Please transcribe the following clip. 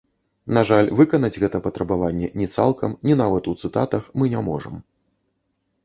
На жаль, выканаць гэта патрабаванне ні цалкам, ні нават у цытатах мы не можам.